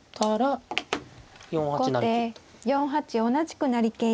後手４八同じく成桂。